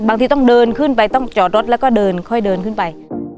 บางทีต้องเดินขึ้นไปต้องจอดรถแล้วก็เดินค่อยเดินขึ้นไป